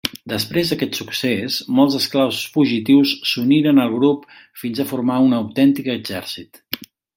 Després d'aquest succés, molts esclaus fugitius s'uniren al grup fins a formar un autèntic exèrcit.